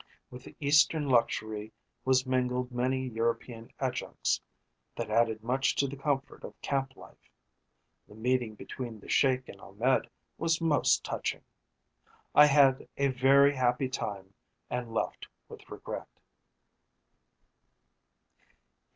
With Eastern luxury was mingled many European adjuncts that added much to the comfort of camp life. The meeting between the Sheik and Ahmed was most touching. I had a very happy time and left with regret.